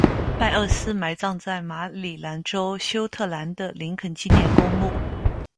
拜厄斯埋葬在马里兰州休特兰的林肯纪念公墓。